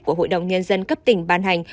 của hội đồng nhân dân cấp tỉnh ban hành